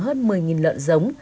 hơn một mươi lợn giống